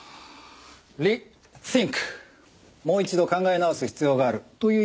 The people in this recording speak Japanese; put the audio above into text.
もう一度考え直す必要があるという意味で使っています。